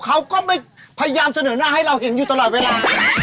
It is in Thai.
เขาก็ไม่พยายามเสนอหน้าให้เราเห็นอยู่ตลอดเวลา